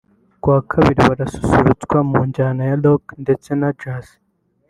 kuwa Kabiri basusurutswe mu njyana ya Rock ndetse na Jazz